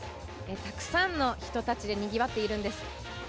たくさんの人たちでにぎわっているんです。